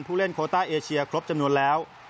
ผู้เล่นโคต้าเอเชียครบจำนวนแล้ว